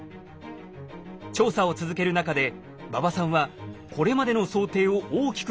調査を続ける中で馬場さんはこれまでの想定を大きく